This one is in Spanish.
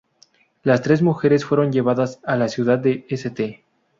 Las tres mujeres fueron llevadas a la ciudad de St.